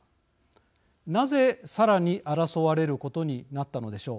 なぜさらに争われることになったのでしょう。